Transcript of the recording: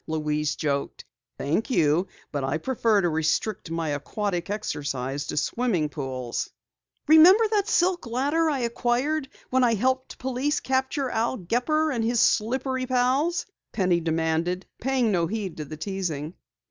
Louise joked. "Thank you, but I prefer to restrict my aquatic exercise to swimming pools!" "Remember that silk ladder I acquired when I helped police capture Al Gepper and his slippery pals?" Penny demanded, paying no heed to the teasing.